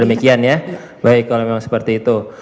demikian ya baik kalau memang seperti itu